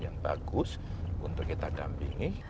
yang bagus untuk kita dampingi